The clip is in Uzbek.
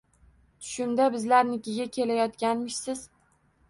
Tushimda bizlarnikiga kelayotganmishsiz.